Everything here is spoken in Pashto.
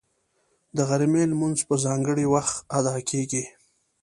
د غرمې لمونځ په ځانګړي وخت ادا کېږي